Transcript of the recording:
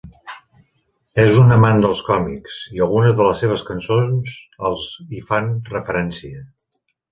És un amant dels còmics, i algunes de les seves cançons els hi fan referència.